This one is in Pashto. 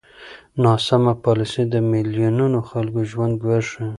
ناسمه پالېسي د میلیونونو خلکو ژوند ګواښي.